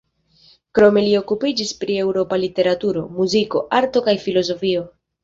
Krome li okupiĝis pri eŭropa literaturo, muziko, arto kaj filozofio.